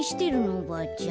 おばあちゃん。